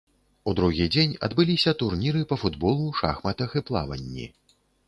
У другі дзень адбыліся турніры па футболу, шахматах і плаванні.